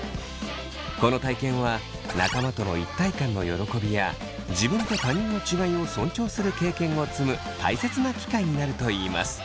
この体験は仲間との一体感の喜びや自分と他人の違いを尊重する経験を積む大切な機会になるといいます。